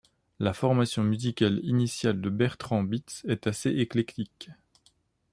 La formation musicale initiale de Bertrand Bitz est assez éclectique.